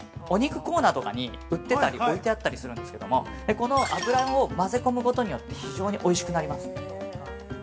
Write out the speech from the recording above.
お肉コーナー売ってたり置いてあったりするんですけど、この油を混ぜ込むことで非常においしくなります。